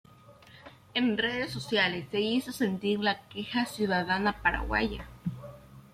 En redes sociales se hizo sentir la queja ciudadana paraguaya.